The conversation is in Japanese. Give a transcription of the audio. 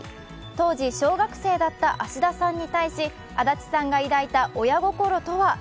当時小学生だった芦田さんに対し安達さんが抱いた親心とは。